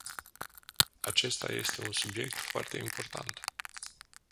Acesta este un subiect foarte important.